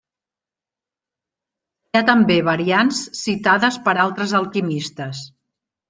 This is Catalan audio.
Hi ha també variants citades per altres alquimistes.